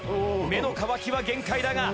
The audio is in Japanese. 目の乾きは限界だが。